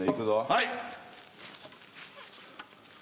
はい。